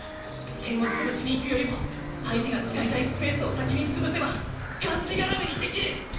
点を潰しに行くよりも相手が使いたいスペースを先に潰せばがんじがらめにできる！